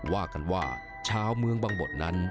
ว่ากันว่าชาวเมืองบังบดนั้น